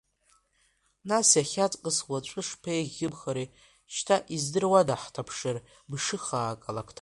Нас иахьаҵкыс уаҵәы шԥеиӷьымхари шьҭа, издыруада, ҳҭаԥшыр мшыхаак алакҭа…